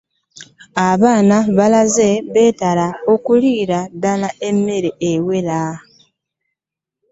Abaana abalenzi batera okuliira ddala emmere ewera.